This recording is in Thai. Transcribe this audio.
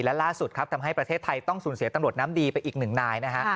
และล่าสุดครับทำให้ประเทศไทยต้องสูญเสียตำรวจน้ำดีไปอีกหนึ่งนายนะฮะ